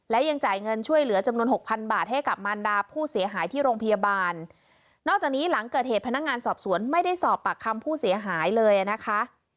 และยังจ่ายเงินช่วยเหลือจำนวนหกพันบาทให้กับมารดาผู้เสียหายที่โรงพยาบาลนอกจากนี้หลังเกิดเหตุพนักงานสอบสวนไม่ได้สอบปากคำผู้เสียหายเลยนะคะ